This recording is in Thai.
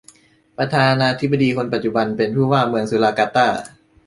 ประธานาธิปดีคนปัจจุบัน เป็นผู้ว่าเมืองสุราการ์ตา